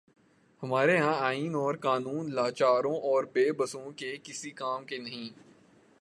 ہمارے ہاں آئین اور قانون لاچاروں اور بے بسوں کے کسی کام کے نہیں۔